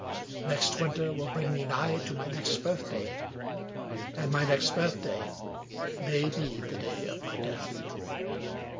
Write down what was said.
Next winter will bring me nigh to my next birthday, and my next birthday may be the day of my death.